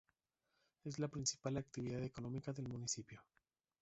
Es la principal actividad económica del municipio.